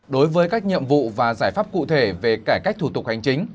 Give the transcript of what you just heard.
đối với các nhiệm vụ và giải pháp cụ thể về cải cách thủ tục hành chính